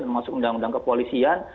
termasuk undang undang kepolisian